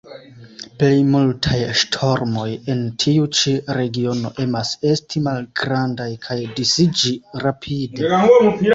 Plejmultaj ŝtormoj en tiu ĉi regiono emas esti malgrandaj kaj disiĝi rapide.